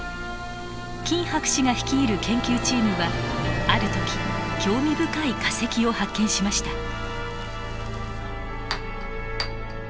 金博士が率いる研究チームはある時興味深い化石を発見しました。